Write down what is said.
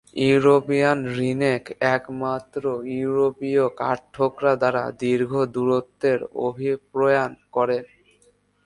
Eurasian রীনেক একমাত্র ইউরোপীয় কাঠঠোকরা যারা দীর্ঘ দূরত্বের অভিপ্রয়াণ করে।